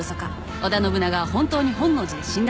織田信長は本当に本能寺で死んだのか。